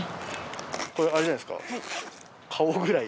これあれじゃないですか顔くらい。